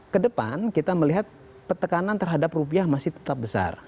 kedepan kita melihat petekanan terhadap rupiah masih tetap besar